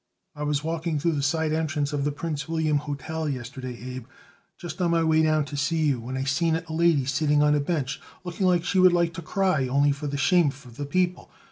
"I was walking through the side entrance of the Prince William Hotel yesterday, Abe, just on my way down to see you, when I seen it a lady sitting on a bench, looking like she would like to cry only for shame for the people.